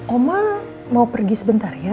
oma mau pergi sebentar ya